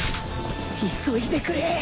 急いでくれ。